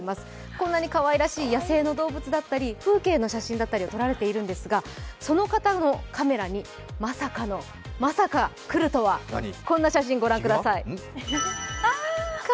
こんなにかわいらしい野生の動物だったり、風景の写真だったりを撮られているんですが、その方のカメラにまさかの、まさか来るとはこんな写真ご覧ください。